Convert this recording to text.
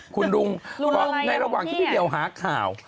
คุณลุงก็ในระหว่างที่พี่เหี่ยวหาข่าว